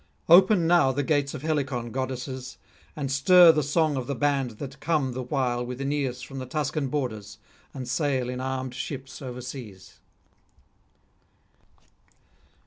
Open now the gates of Helicon, goddesses, and stir the song of the band that come the while with Aeneas from the Tuscan borders, and sail in armed ships overseas.